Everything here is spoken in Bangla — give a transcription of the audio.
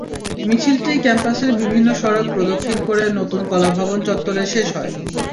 মিছিলটি ক্যাম্পাসের বিভিন্ন সড়ক প্রদক্ষিণ করে নতুন কলা ভবন চত্বরে শেষ হয়।